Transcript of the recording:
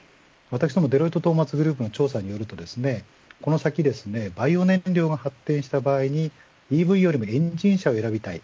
デロイトトーマツグループの調査によるとこの先バイオ燃料が発展した場合にＥＶよりもエンジン車を選びたい